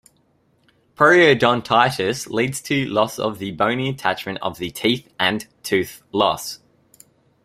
Periodontitis leads to loss of the bony attachment of the teeth and tooth loss.